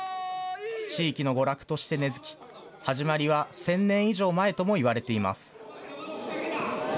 地域の娯楽として根づき、始まりは１０００年以上前ともいわれています。